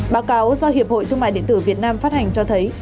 báo cáo do hiệp hội thương mại điện tử việt nam phát hành cho thấy